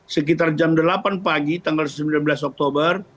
sekitar jam delapan pagi tanggal sembilan belas oktober